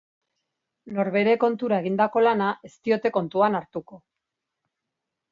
Norbere kontura egindako lana ez diote kontuan hartuko.